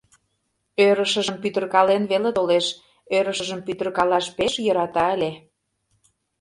Ӧрышыжым пӱтыркален веле толеш, ӧрышыжым пӱтыркалаш пеш йӧрата ыле...